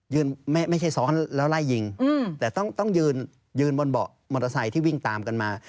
ไม่ใช่ซ้อนแล้วไล่ยิงแต่ต้องยืนยืนบนเบาะมอเตอร์ไซค์ที่วิ่งตามกันมา